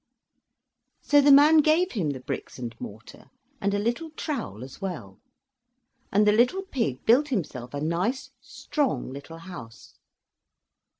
So the man gave him the bricks and mortar, and a little trowel as well, and the little pig built himself a nice strong little house.